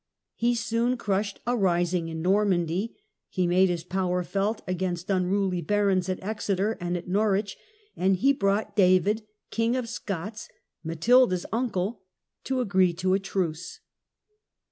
He soon crushed a rising in Normandy; he made his power felt against unruly barons at Exeter and at Norwich; and he brought David, King of Scots, Matilda's uncle, to agree to a truce.